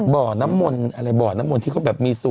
บ่อน้ำมนต์อะไรบ่อน้ำมนต์ที่เขาแบบมีส่วน